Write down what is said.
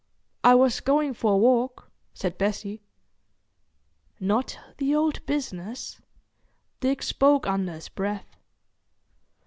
"I was going for a walk," said Bessie. "Not the old business?" Dick spoke under his breath.